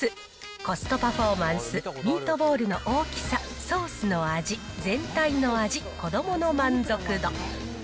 コストパフォーマンス、ミートボールの大きさ、ソースの味、全体の味、子どもの満足度。